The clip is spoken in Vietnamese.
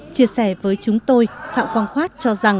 chia sẻ với chúng tôi phạm quang khoát